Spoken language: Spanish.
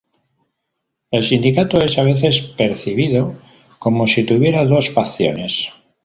El sindicato es a veces percibido como si tuviera dos facciones.